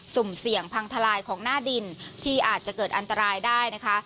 สุ่มเสี่ยงพังทลายของหน้าดินที่อาจจะเกิดอันตรายได้นะคะ